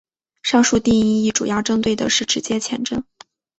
上述定义主要针对的是直接前震。